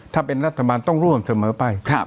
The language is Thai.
ถ้าเป็นรัฐบาลต้องร่วมเสมอไป